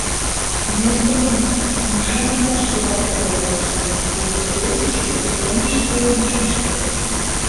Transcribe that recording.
Нер дене мо — умша денат шӱлалтыме ок шу, пуйто кӧргышкӧ ӧкымеш тулен шӱшкыт.